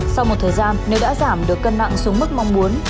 sau một thời gian nếu đã giảm được cân nặng xuống mức mong muốn